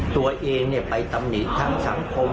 ตัวเองไปตำหนิทางสังคม